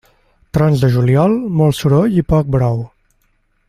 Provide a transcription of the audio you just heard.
Trons de juliol, molt soroll i poc brou.